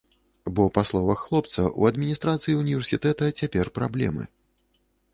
Бо, па словах хлопца, у адміністрацыі ўніверсітэта цяпер праблемы.